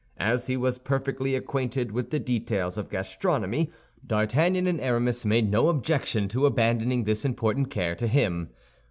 As he was perfectly acquainted with the details of gastronomy, D'Artagnan and Aramis made no objection to abandoning this important care to him.